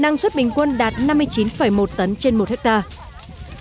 năng suất bình quân đạt năm mươi chín một tấn trên một hectare